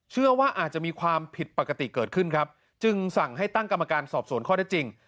เชื่อว่าอาจจะมีความผิดปกติเกิดขึ้นครับจึงสั่งให้ตั้งกรรมการสอบสวนข้อได้จริง